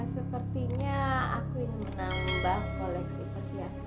sepertinya aku ingin menambah koleksi perhiasan